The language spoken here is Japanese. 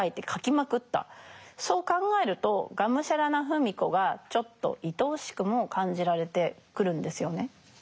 そう考えるとがむしゃらな芙美子がちょっと愛おしくも感じられてくるんですよね。